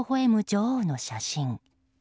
女王の写真。